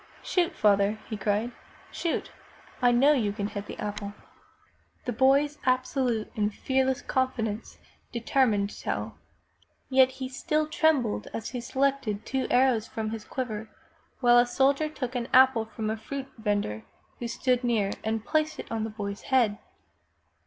"Shoot, father! "he cried. "Shoot! Iknowyoucanhittheapple!" 291 MY BOOK HOUSE The boy's absolute and fearless confidence determined Tell. Yet he still trembled as he selected two arrows from his quiver, while a soldier took an apple from a fruit vendor who stood near and placed it on the boy's head.